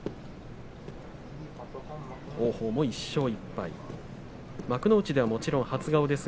王鵬も１勝１敗幕内はもちろん初顔です。